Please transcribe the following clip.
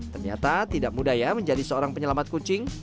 ternyata tidak mudah ya menjadi seorang penyelamat kucing